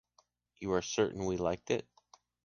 You are certain we liked it.